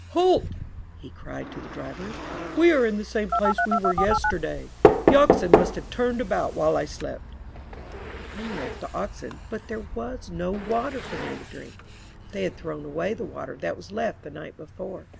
"Halt!" he cried to the drivers. "We are in the same place where we were yesterday. The oxen must have turned about while I slept." They unyoked the oxen, but there was no water 201 MY BOOK HOUSE for them to drink. They had thrown away the water that was left the night before.